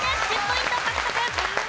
１０ポイント獲得！